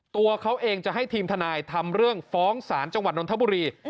ตัวเขาเองจะให้ทีมทนายทำเรื่องฟ้องศาลจังหวัดนทบุรี